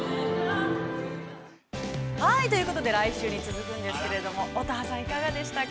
◆はい、ということで、来週に続くんですけれども、乙葉さん、いかがでしたか。